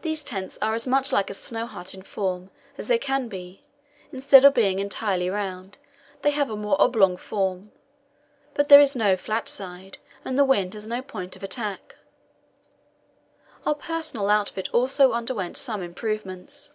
These tents are as much like a snow hut in form as they can be; instead of being entirely round, they have a more oblong form, but there is no flat side, and the wind has no point of attack. Our personal outfit also underwent some improvements.